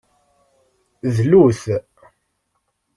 Dlut.